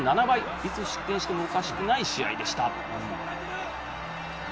いつ失点してもおかしくない試合でした。